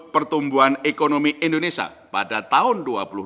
pertumbuhan ekonomi indonesia pada tahun dua ribu dua puluh